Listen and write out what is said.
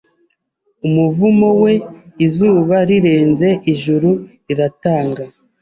Umuvumo we izuba rirenze Ijuru riratanga